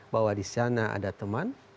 bahwa di sana ada teman